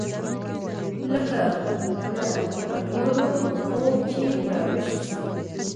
لکه له ګډوډ خوبه چې راويښ سې.